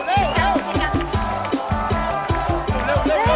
ไปละไปละไปละ